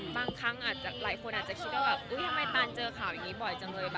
บางครั้งอาจจะหลายคนอาจจะคิดว่าแบบอุ๊ยทำไมตานเจอข่าวอย่างนี้บ่อยจังเลยป่